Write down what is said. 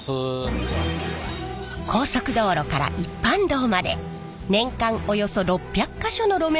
高速道路から一般道まで年間およそ６００か所の路面